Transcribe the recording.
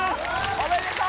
・おめでとう！